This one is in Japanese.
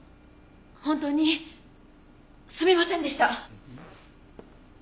本当にすみませんでした。